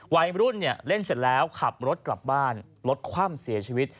วัยรุ่นเนี่ยเล่นเสร็จแล้วขับรถกลับบ้านรถคว่ำเสียชีวิต